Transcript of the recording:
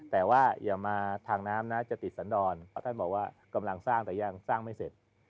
แต่ว่าอย่ามาทางน้ำนะจะติดสันดรเพราะท่านบอกว่ากำลังสร้างแต่ยังสร้างไม่เสร็จ